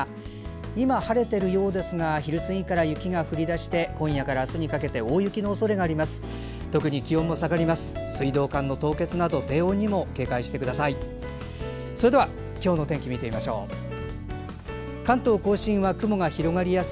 今、晴れているようですが昼過ぎから雪が降り出して今夜から明日にかけて大雪のおそれがあります。